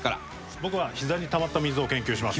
僕はひざにたまった水を研究します。